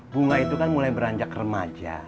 bunga itu kan mulai beranjak remaja